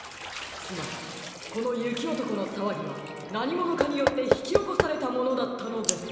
つまりこのゆきおとこのさわぎはなにものかによってひきおこされたものだったのです。